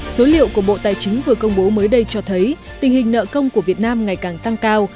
số liệu của bộ tài chính vừa công bố mới đây cho thấy tình hình nợ công của việt nam ngày càng tăng cao